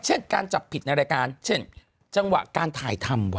เช่นการจับผิดในรายการเช่นจังหวะการถ่ายทำว่